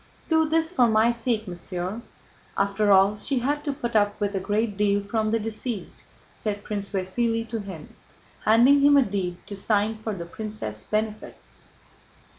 "Do this for my sake, mon cher; after all, she had to put up with a great deal from the deceased," said Prince Vasíli to him, handing him a deed to sign for the princess' benefit.